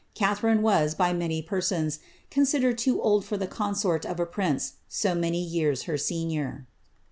202 CATHARINE OF BRAGANIA* line was, by many persons, considered too old for the consort of a prince so many years her senior.